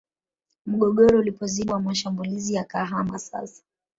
Mgogoro ulipozidi kukua mashambulizi yakahama sasa